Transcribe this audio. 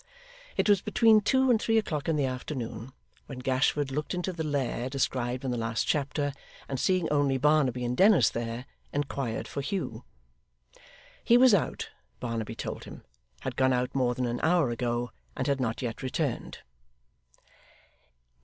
It was between two and three o'clock in the afternoon when Gashford looked into the lair described in the last chapter, and seeing only Barnaby and Dennis there, inquired for Hugh. He was out, Barnaby told him; had gone out more than an hour ago; and had not yet returned.